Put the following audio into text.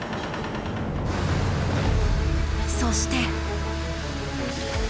そして。